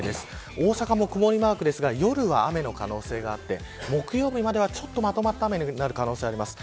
大阪も曇りマークですが夜は雨の可能性があって木曜日までは、まとまった雨になる可能性があります。